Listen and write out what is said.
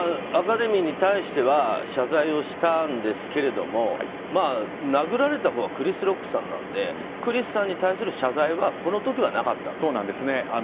アカデミーに対しては謝罪をしたんですけども殴られたほうがクリス・ロックさんなのでクリスさんに対する謝罪はこの時はなかったんですね。